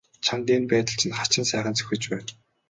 Чамд энэ байдал чинь хачин сайхан зохиж байна.